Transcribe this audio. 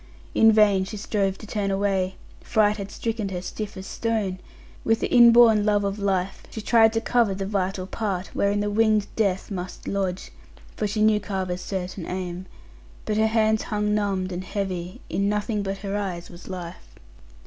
In vain she strove to turn away; fright had stricken her stiff as stone. With the inborn love of life, she tried to cover the vital part wherein the winged death must lodge for she knew Carver's certain aim but her hands hung numbed, and heavy; in nothing but her eyes was life.